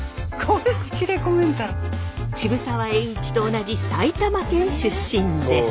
渋沢栄一と同じ埼玉県出身です。